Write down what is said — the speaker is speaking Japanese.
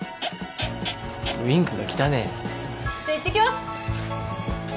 ウインクが汚えじゃあいってきます